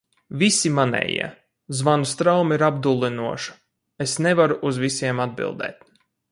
Visi manējie. Zvanu straume ir apdullinoša, es nevaru uz visiem atbildēt.